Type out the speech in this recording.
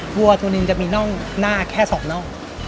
ัตัวนี้้วทุกหลุมจะมีน่องหน้าแค่สองน่อง